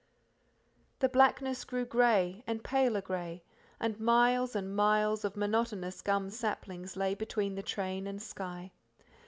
The blackness grew grey and paler grey, and miles and miles of monotonous gum saplings lay between the train and sky.